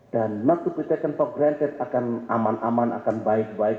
dan not to be taken for granted akan aman aman akan baik baik